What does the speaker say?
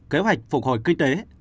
kế hoạch phục hồi kinh tế